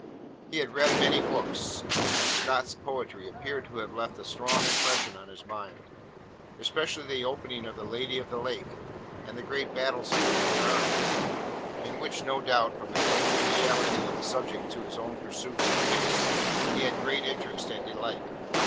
He had read many books; and Scott's poetry appeared to have left a strong impression on his mind: especially the opening of The Lady of the Lake, and the great battle scene in Marmion, in which, no doubt from the congeniality of the subjects to his own pursuits and tastes, he had great interest and delight.